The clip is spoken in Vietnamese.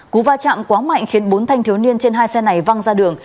cú va chạm quá mạnh khiến bốn thanh thiếu niên trên hai xe này văng ra đường